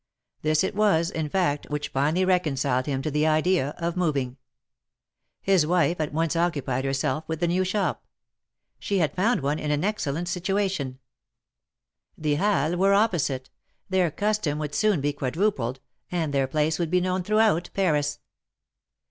This it was, in fact, which finally reconciled him to the idea of moving. His wife at once occupied herself with the new shop. She had found one in an excellent situation. THE MAKKETS OF PARIS. 75 The Halles were opposite — their custom would soon be quadrupled, and their place would be known throughout Paris.